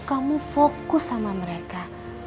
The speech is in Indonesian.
kamu fokus sama mereka